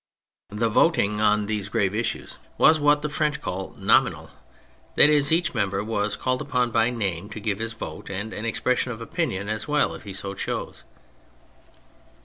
The voting on these grave issues was what the French call " nominal ": that is, each member was called upon " by name " to give his vote — and an expression of opinion as well if he so chose.